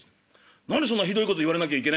「何でそんなひどいこと言われなきゃいけないんだ」。